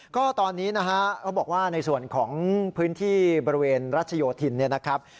ก็ตอนนี้นะฮะเขาบอกว่าในส่วนของพื้นที่บริเวณรัชโยธินเนี่ยนะครับ